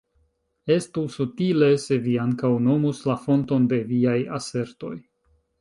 Estus utile, se vi ankaŭ nomus la fonton de viaj asertoj.